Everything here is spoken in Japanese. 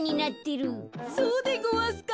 そうでごわすか？